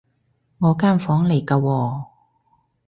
我間房嚟㗎喎